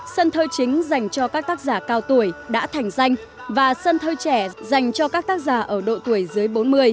sân thơ chính dành cho các tác giả cao tuổi đã thành danh và sân thơ trẻ dành cho các tác giả ở độ tuổi dưới bốn mươi